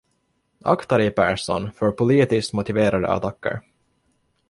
Akta dej, Persson, för politiskt motiverade attacker.